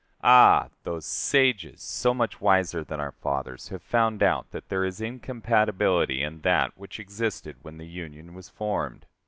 Ah! those sages, so much wiser than our fathers, have found out that there is incompatibility in that which existed when the Union was formed.